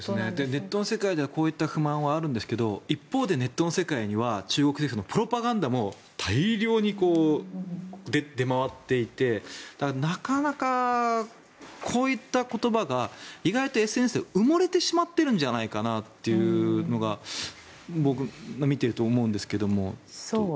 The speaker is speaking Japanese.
ネットの世界ではこういった不満はあるんですけど一方で、ネットの世界には中国政府のプロパガンダも大量に出回っていてなかなかこういった言葉が意外とＳＮＳで埋もれてしまっているんじゃないかなっていうのが僕が見ていると思うんですが。